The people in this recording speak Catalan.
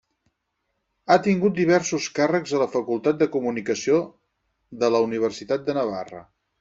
Ha tingut diversos càrrecs a la Facultat de Comunicació de la Universitat de Navarra.